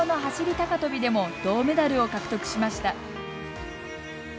高跳びでも銅メダルを獲得しました。